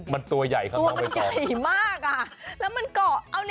มันตัวใหญ่ออกมา